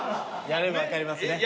やれば分かりますね。